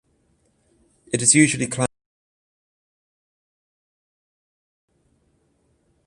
It is usually climbed in conjunction with Sgurr Breac.